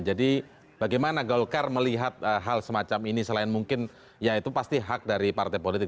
jadi bagaimana golkar melihat hal semacam ini selain mungkin ya itu pasti hak dari partai politik